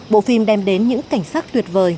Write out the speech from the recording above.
bộ phim đem đến những cảnh sát tuyệt vời